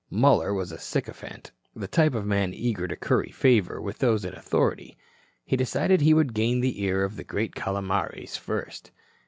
Muller was a sycophant, the type of man eager to curry favor with those in authority. He decided he would gain the ear of the great Calomares first.